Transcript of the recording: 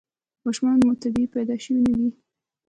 ماشومان مو طبیعي پیدا شوي دي؟